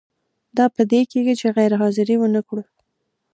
دا په دې کیږي چې غیر حاضري ونه کړو.